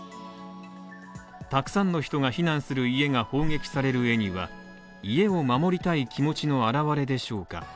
たくさんの人が避難する家が砲撃される絵には家を守りたい気持ちの表れでしょうか？